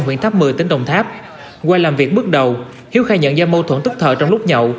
huyện tháp một mươi tỉnh đồng tháp qua làm việc bước đầu hiếu khai nhận do mâu thuẫn tức thời trong lúc nhậu